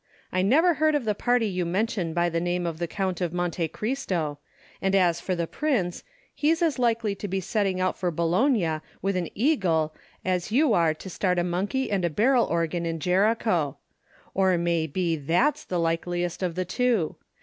I never heard of the party you mention by the name of the Count of Monte Cristo; and as for the Prince, he's as likely to be setting out for Boulogne with an eagle as you are to start a monkey and a barrel organ in Jericho; or may be that's the likeliest of the two.